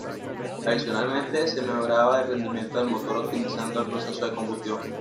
Adicionalmente, se mejoraba el rendimiento del motor optimizando el proceso de combustión.